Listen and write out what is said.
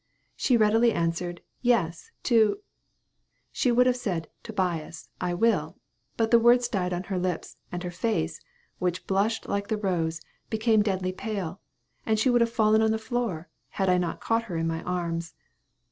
she readily answered, 'Yes, To ;' she would have said, 'Tobias, I will;' but the words died on her lips, and her face, which blushed like the rose, became deadly pale; and she would have fallen on the floor, had I not caught her in my arms.